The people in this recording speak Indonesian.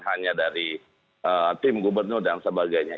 hanya dari tim gubernur dan sebagainya